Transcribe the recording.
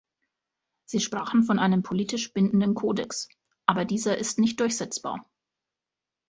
Sie sprachen von einem politisch bindenden Kodex, aber dieser ist nicht durchsetzbar.